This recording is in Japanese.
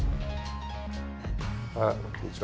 あっこんにちは。